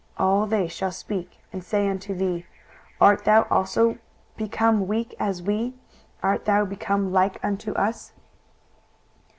23:014:010 All they shall speak and say unto thee, Art thou also become weak as we? art thou become like unto us?